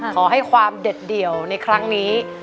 ขอให้ความเด็ดเดี่ยวในครั้งนี้